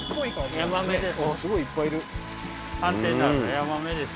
ヤマメです